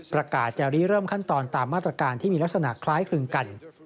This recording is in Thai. ประกาศจะรีเริ่มขั้นตอนตามมาตรการที่มีลักษณะคล้ายคลึงกัน